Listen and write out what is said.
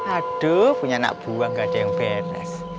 aduh punya anak buah gak ada yang beres